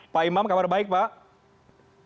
pak imam selamat malam sehat